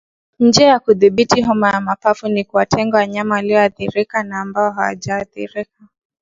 Njia ya kudhibiti homa ya mapafu ni kuwatenga wanyama walioathirika na ambao hawajaathirika